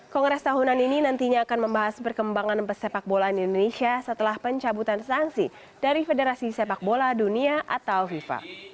kongres tahunan ini nantinya akan membahas perkembangan sepak bola indonesia setelah pencabutan sanksi dari federasi sepak bola dunia atau fifa